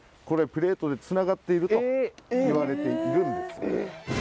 これプレートでつながっているといわれているんです。